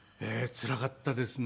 つらかったですね。